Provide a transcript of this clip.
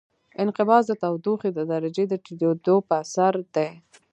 انقباض د تودوخې د درجې د ټیټېدو په اثر دی.